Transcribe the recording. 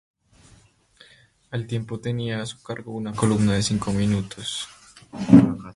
Al tiempo tenía a su cargo una columna de cinco minutos.